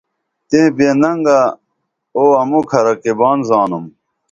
تیں بے ننگہ او اموکھہ رقیبان زانُم